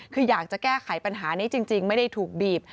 คืออยากจะแก้ไขปัญหานี้จริงไม่ได้ถูกบีบ